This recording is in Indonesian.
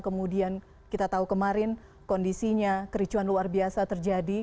kemudian kita tahu kemarin kondisinya kericuan luar biasa terjadi